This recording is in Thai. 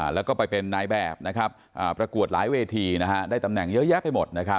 แล้วก็ไปเป็นนายแบบประกวดหลายเวทีได้ตำแหน่งเยอะแยะไปหมด